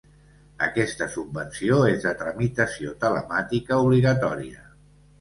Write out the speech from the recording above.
Aquesta subvenció és de tramitació telemàtica obligatòria.